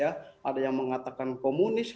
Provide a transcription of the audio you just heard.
ada yang mengatakan komunis